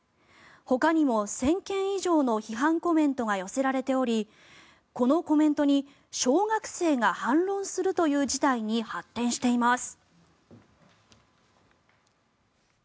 ほかにも１０００件以上の批判コメントが寄せられておりこのコメントに小学生が反論するという事態に発展しています。